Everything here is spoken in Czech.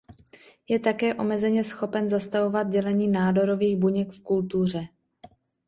Je také omezeně schopen zastavovat dělení nádorových buněk v kultuře.